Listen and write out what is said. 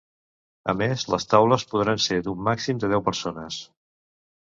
A més, les taules podran ser d’un màxim de deu persones.